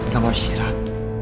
kamu harus istirahat